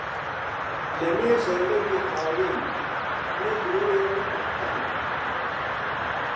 لە مێژە لە وی حاڵیم نە درۆیە نە بوختانە